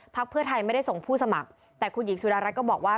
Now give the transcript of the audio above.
เพื่อไทยไม่ได้ส่งผู้สมัครแต่คุณหญิงสุดารัฐก็บอกว่า